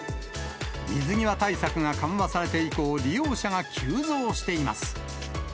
水際対策が緩和されて以降、利用者が急増しています。